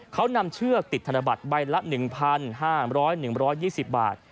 เขานำเชือกติดธนบัตรใบละ๑๕๐๐๑๒๐บาท